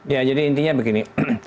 ya jadi intinya begini